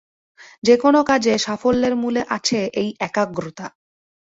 যে-কোন কাজে সাফল্যের মূলে আছে এই একাগ্রতা।